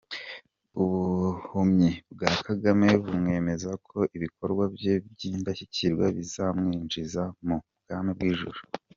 Ubuhumyi bwa Kagame bumwemeza ko ibikorwa bye by’’indashyikirwa bizamwinjiza mu bwami bw’ijuru!